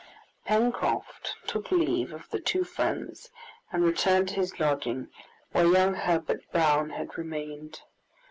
Pencroft took leave of the two friends, and returned to his lodging, where young Herbert Brown had remained.